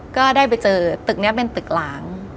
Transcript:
ก็ได้ไปเจอตึกนี้เป็นตึกล้าง